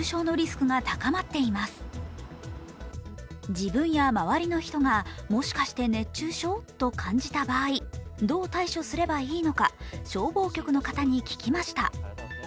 自分や周りの人がもしかして熱中症？と感じた場合、どう対処すればいいのか消防局の方に聞きました。